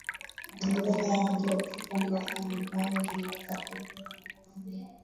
Matembele yake hupikwa mboga ambayo inaweza kuliwa na wali